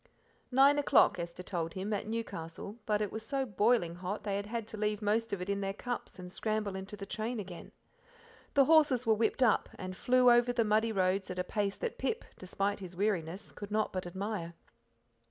Nine o'clock, Esther told him, at Newcastle, but it was so boiling hot they had had to leave most of it in their cups and scramble into the train again. The horses were whipped up; and flew over the muddy roads at a pace that Pip, despite his weariness, could not but admire.